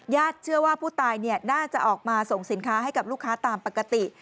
เชื่อว่าผู้ตายน่าจะออกมาส่งสินค้าให้กับลูกค้าตามปกติ